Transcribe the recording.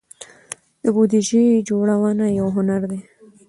د بودیجې جوړونه یو هنر دی.